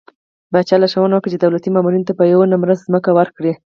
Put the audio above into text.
پاچا لارښوونه وکړه چې د دولتي مامورينو ته به يوه نمره ځمکه ورکړي .